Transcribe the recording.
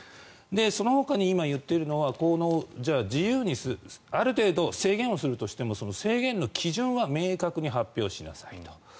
そのほかに今、言っているのは自由にするある程度制限をするとしても制限の基準は明確に発表しなさいと。